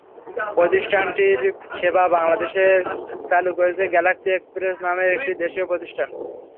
প্রতিষ্ঠানটির সেবা বাংলাদেশে চালু করেছে গ্যালাক্সি এক্সপ্রেস নামের একটি দেশীয় প্রতিষ্ঠান।